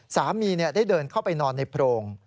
สามีได้เดินเข้าไปนอนในโพรง